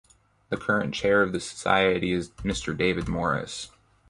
The current chair of the society is Mr David Morriss.